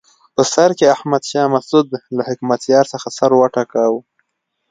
په سر کې احمد شاه مسعود له حکمتیار څخه سر وټکاوه.